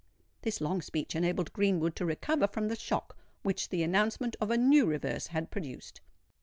This long speech enabled Greenwood to recover from the shock which the announcement of a new reverse had produced.